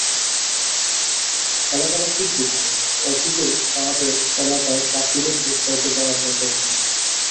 এলাকাবাসীর দুঃখ, অতীতেও তাঁদের এলাকায় প্রার্থীদের ভোট চাইতে যাওয়ার রেকর্ড কম।